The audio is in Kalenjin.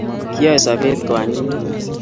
Kiyae sobet koanyinyit